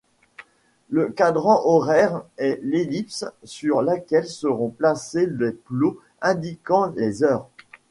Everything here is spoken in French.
Le cadran horaire est l'ellipse sur laquelle seront placés les plots indiquant les heures.